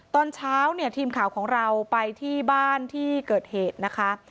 ตอนเช้าเนี่ยทีมข่าวของเราไปที่บ้านที่เกิดเหตุนะคะ